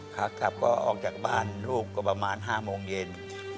ขากลับก็ออกจากบ้านลูกก็ประมาณ๕โมงเย็น